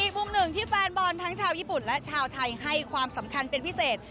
มุมหนึ่งที่แฟนบอลทั้งชาวญี่ปุ่นและชาวไทยให้ความสำคัญเป็นพิเศษ